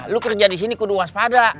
lu kerja di sini ku duas pada